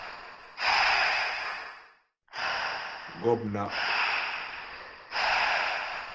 Gɔ̂pnaʼ.